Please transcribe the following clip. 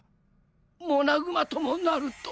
「モナグマ」ともなると。